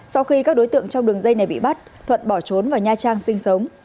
sau khi các đối tượng trong đường dây này bị bắt thuận bỏ trốn vào nha trang sinh sống